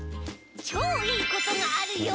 「ちょういいことがあるよ！！」